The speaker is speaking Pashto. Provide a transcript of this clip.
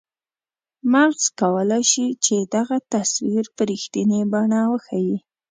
مغز کولای شي چې دغه تصویر په رښتنیې بڼه وښیي.